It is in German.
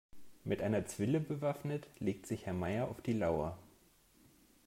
Mit einer Zwille bewaffnet legt sich Herr Meier auf die Lauer.